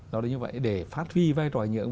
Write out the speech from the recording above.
đó là như vậy để phát huy vai trò ảnh hưởng